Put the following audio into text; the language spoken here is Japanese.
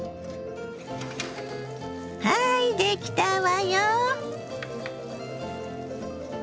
はいできたわよ。